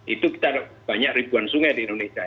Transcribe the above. itu kita banyak ribuan sungai di indonesia